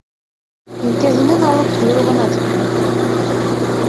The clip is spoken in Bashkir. Елкәһенән алып ҡойроғона тиклем.